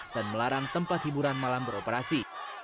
dan melarang tempat hiburan malam beroperasi